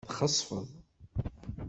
Txesfeḍ.